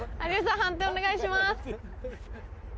判定お願いします。